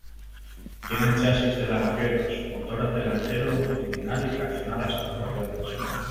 Tiene chasis de largueros, motor delantero longitudinal y tracción a las cuatro ruedas.